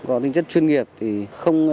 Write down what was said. có tinh chất chuyên nghiệp thì không